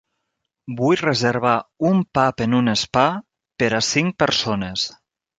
Vull reservar un pub en un spa per a cinc persones.